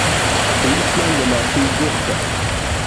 پێویستمان بە ماسی و گۆشتە.